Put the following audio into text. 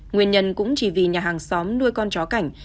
nguyên nhân cũng chỉ vì nhà hàng xóm nuôi con chó cảnh